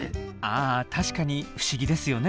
あ確かに不思議ですよね。